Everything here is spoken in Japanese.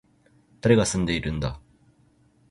誰が住んでいるんだ